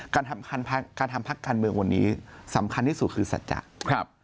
การทำพักการเมืองวันนี้สำคัญที่สุดคือสัจจะ